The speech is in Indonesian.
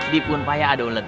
di pun payah ada ulet